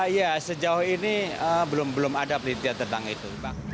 ya sejauh ini belum ada penelitian tentang itu